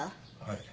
はい。